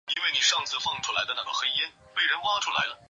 而后面的骏景路路口曾为本站的落客站。